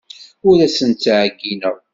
Ur asen-ttɛeyyineɣ.